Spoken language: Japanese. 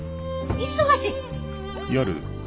忙しい！